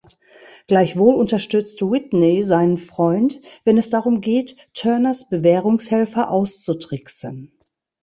Gleichwohl unterstützt Whitney seinen Freund, wenn es darum geht Turners Bewährungshelfer auszutricksen.